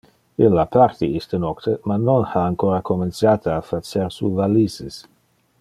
Illa parti iste nocte, ma non ha ancora comenciate a facer su valises.